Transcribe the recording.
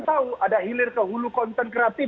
tahu ada hilir ke hulu konten kreatif